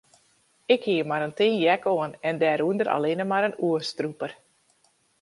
Ik hie mar in tin jack oan en dêrûnder allinnich mar in oerstrûper.